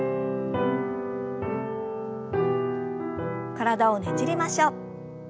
体をねじりましょう。